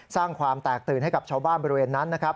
สร้างความแตกตื่นให้กับชาวบ้านบริเวณนั้นนะครับ